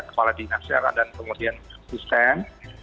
kepala dinas yang ada kemudian sistem